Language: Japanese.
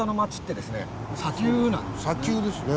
砂丘ですね